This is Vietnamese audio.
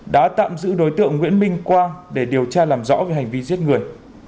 đã tạm giữ đối tượng nguyễn minh quang để điều tra làm rõ về hành vi giết người